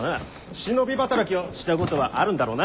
忍び働きをしたことはあるんだろうな？